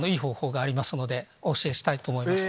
お教えしたいと思います。